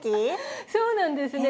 そうなんですね。